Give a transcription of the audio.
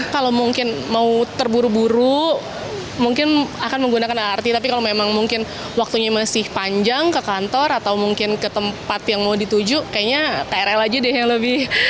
kalau mungkin mau terburu buru mungkin akan menggunakan lrt tapi kalau memang mungkin waktunya masih panjang ke kantor atau mungkin ke tempat yang mau dituju kayaknya krl aja deh yang lebih